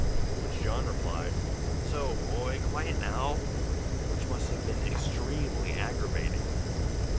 To which John replied, "So, boy! quiet now!" which must have been extremely aggravating.